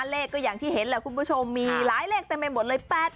เลขก็อย่างที่เห็นแหละคุณผู้ชมมีหลายเลขเต็มไปหมดเลย